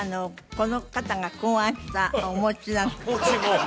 この方が考案したお餅なんです